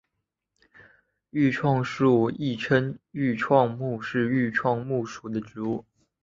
愈创树亦称愈创木是愈创木属的植物。